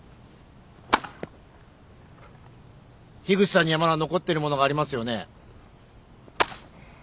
樋口さんにはまだ残ってるものがありますよね。